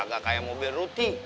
gak kayak mobil ruti